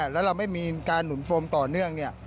แล้วเราไม่มีการหนุนโฟมต่อเนื่อง